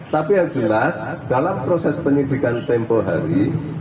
tapi yang jelas dalam proses penyidikan tempoh hari